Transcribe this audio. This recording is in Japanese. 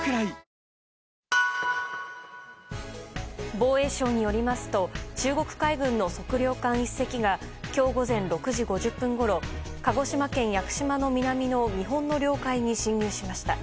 防衛省によりますと中国海軍の測量艦１隻が今日午前６時５０分ごろ鹿児島県屋久島の南の日本の領海に侵入しました。